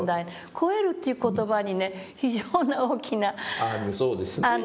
「超える」っていう言葉にね非常な大きなあの。